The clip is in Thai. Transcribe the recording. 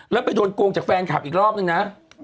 แล้วไปโดนโกงจากแฟนคลับอีกรอบนึงนะ